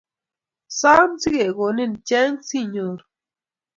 Som si kegonin cheng' siinyoru